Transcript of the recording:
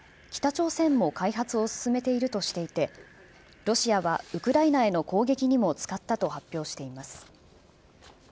北朝鮮も開発を進めているとしていてロシアはウクライナへの攻撃にも使ったと発表しています。